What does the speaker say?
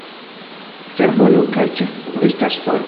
Fervojo kaj ĉefvojo estas for.